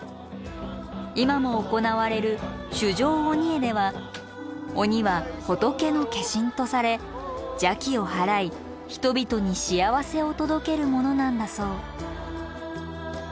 今も行われる修正鬼会では鬼は仏の化身とされ邪気を祓い人々に幸せを届けるものなんだそう。